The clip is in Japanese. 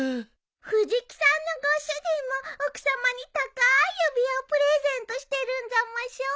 藤木さんのご主人も奥さまに高い指輪をプレゼントしてるんざましょ？